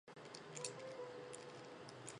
在组织体制中